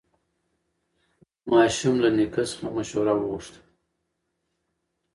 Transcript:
ماشوم له نیکه څخه مشوره وغوښته